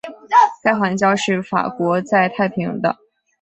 该环礁是法国在太平洋的。